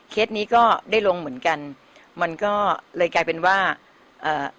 นี้ก็ได้ลงเหมือนกันมันก็เลยกลายเป็นว่าเอ่อ